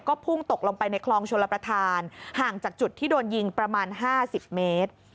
พุ่งตกลงไปในคลองชลประธานห่างจากจุดที่โดนยิงประมาณ๕๐เมตร